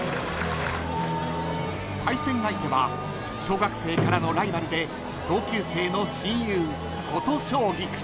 ［対戦相手は小学生からのライバルで同級生の親友］